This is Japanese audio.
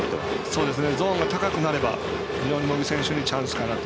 ゾーンが高くなれば非常に茂木選手にチャンスかなと。